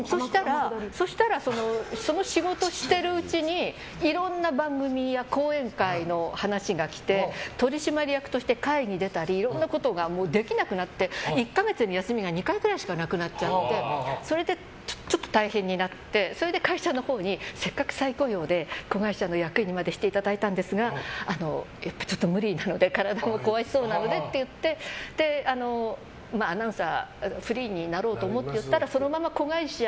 そしたらその仕事してるうちにいろんな番組や講演会の話が来て取締役として会に出たりいろんなことができなくなって、１か月に休みが２回ぐらいしかなくなっちゃってそれで、ちょっと大変になって会社のほうにせっかく再雇用で子会社の役員にまでしていただいたんですがちょっと無理なので体も壊しそうなのでって言ってアナウンサーフリーになると思いますって言ったらそのまま子会社。